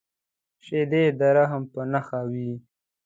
شیدې د رحم په نښه وي